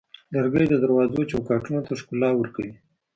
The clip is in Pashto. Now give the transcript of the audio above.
لرګی د دروازو چوکاټونو ته ښکلا ورکوي.